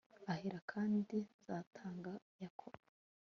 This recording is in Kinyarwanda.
ahera kandi nzatanga yakobo